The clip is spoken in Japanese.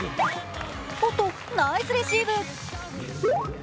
おっと、ナイスレシーブ。